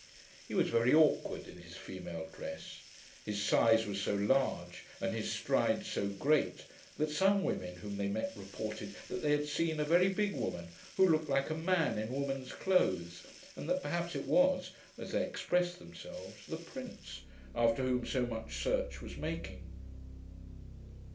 He was very awkward in his female dress. His size was so large, and his strides so great, that some women whom they met reported that they had seen a very big woman, who looked like a man in woman's clothes, and that perhaps it was (as they expressed themselves) the PRINCE, after whom so much search was making.